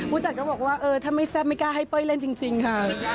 ผู้จัดก็บอกว่าเออถ้าไม่แซ่บไม่กล้าให้เป้ยเล่นจริงค่ะ